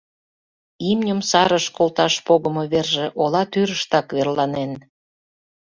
Имньым сарыш колташ погымо верже ола тӱрыштак верланен.